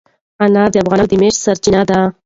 انار د افغانانو د معیشت سرچینه ده.